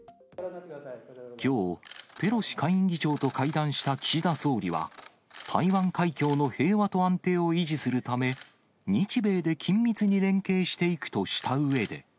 きょう、ペロシ下院議長と会談した岸田総理は、台湾海峡の平和と安定を維持するため、日米で緊密に連携していくとしたうえで。